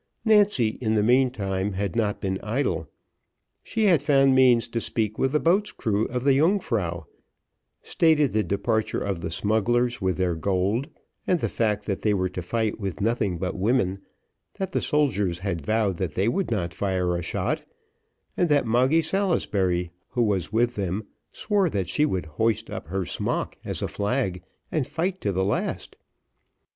Nancy, in the meantime, had not been idle, she had found means to speak with the boats' crews of the Yungfrau, stated the departure of the smugglers with their gold, and the fact that they were to fight with nothing but women, that the soldiers had vowed that they would not fire a shot, and that Moggy Salisbury, who was with them, swore that she would hoist up her smock as a flag, and fight to the last.